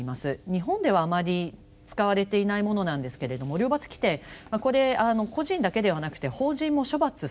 日本ではあまり使われていないものなんですけれども両罰規定これ個人だけではなくて法人も処罰すると。